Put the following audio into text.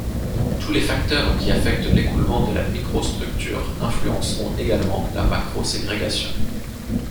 Tous les facteurs qui affectent l'écoulement et la microstructure influenceront également la macroségrégation.